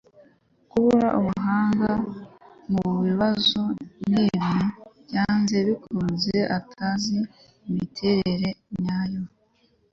kubura ubuhanga mubibazo nkibi, byanze bikunze, atazi imiterere nyayo